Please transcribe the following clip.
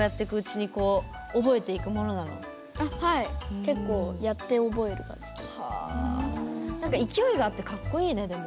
結構何か勢いがあってかっこいいねでも。